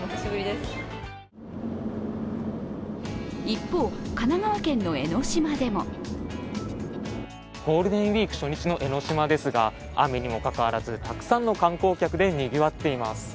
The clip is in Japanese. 一方、神奈川県の江の島でもゴールデンウイーク初日の江の島ですが、雨にもかかわらず、たくさんの観光客でにぎわっています。